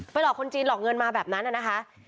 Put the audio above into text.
ไม่หรอกคนจีนหลอกเงินมาแบบนั้นนะนะคะแบบนั้นนะคะ